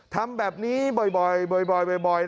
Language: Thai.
ทำแบบนี้บ่อย